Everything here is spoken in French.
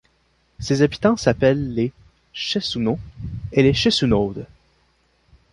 Ses habitants s'appellent les Cheissounauds et les Cheissounaudes.